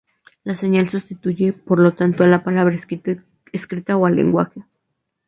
La señal sustituye, por lo tanto, a la palabra escrita o al lenguaje.